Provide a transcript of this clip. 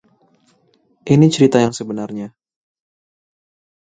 Ini cerita yang sebenarnya.